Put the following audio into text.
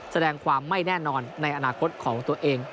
แสดงความไม่แน่นอนในอนาคตของตัวเอง